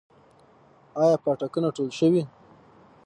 آیا پاټکونه ټول شوي؟